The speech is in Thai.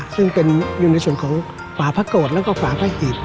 ซึ่งเป็นอยู่ในส่วนของฝาพระโกรธแล้วก็ฝาพระหีบ